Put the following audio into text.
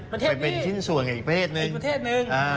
ไปเป็นชิ้นส่วนอีกประเทศนึง